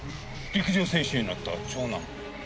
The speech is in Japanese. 陸上選手になった長男。